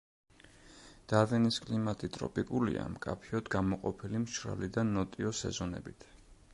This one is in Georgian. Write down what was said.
დარვინის კლიმატი ტროპიკულია, მკაფიოდ გამოყოფილი მშრალი და ნოტიო სეზონებით.